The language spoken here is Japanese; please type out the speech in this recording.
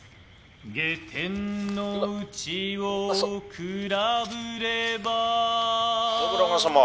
「下天の内をくらぶれば」「信長様」。